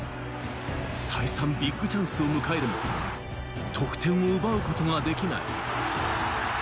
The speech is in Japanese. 再三ビッグチャンスを迎えるも、得点を奪うことができない。